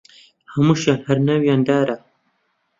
هەمووشیان هەر ناویان دارە